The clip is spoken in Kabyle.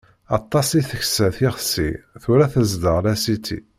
Aṭas i teksa tixsi, tura tezdeɣ lasiti.